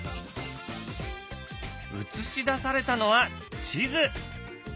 映し出されたのは地図。